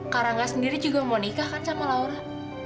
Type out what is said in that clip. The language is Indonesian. karangga sendiri juga mau nikah sama laura